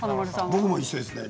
僕も一緒ですね